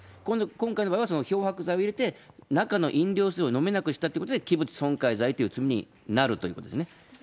今回の場合は、漂白剤を入れて、中の飲料水を飲めなくしたということで、器物損壊罪という罪になるというんですね。